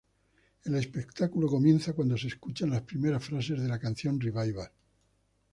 El espectáculo comienza cuando se escuchan las primeras frases de la canción Revival.